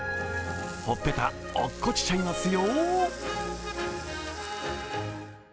ほっぺた落っこちちゃいますよ。